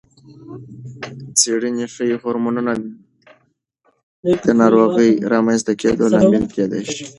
څېړنې ښيي، هورمونونه د ناروغۍ رامنځته کېدو لامل کېدای شي.